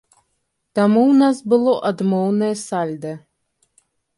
Таму ў нас было адмоўнае сальда.